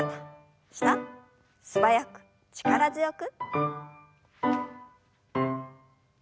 素早く力強く。